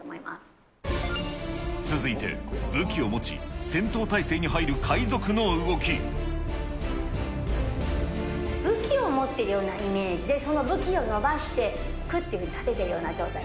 続いて、武器を持ち、武器を持ってるようなイメージで、その武器を伸ばして、くっと立てるような状態。